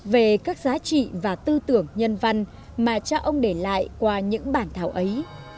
về các giá trị và tư tưởng nhân văn mà cha ông để lại qua những bản thảo ấy